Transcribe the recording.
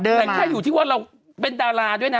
แต่ถ้าอยู่ที่ว่าเราเป็นดาราด้วยนะ